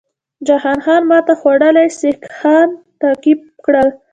جهان خان ماته خوړلي سیکهان تعقیب کړل.